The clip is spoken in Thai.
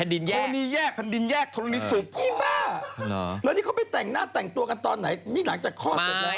นี่บ้าแล้วนี่เขาไปแต่งหน้าแต่งตัวกันตอนไหนนี่หลังจากข้อเสร็จแล้ว